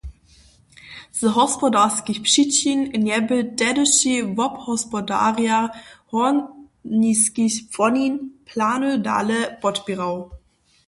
Z hospodarskich přičin njebě tehdyši wobhospodarjer hórniskich płonin plany dale podpěrał.